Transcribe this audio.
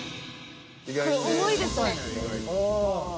重いですね。